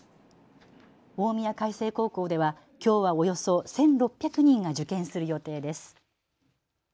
大宮開成高校ではきょうはおよそ１６００人が受験する予定です。